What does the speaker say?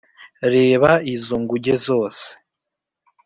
reba izo nguge zose